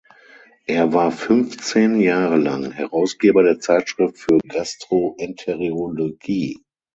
Er war fünfzehn Jahre lang Herausgeber der Zeitschrift für Gastroenterologie.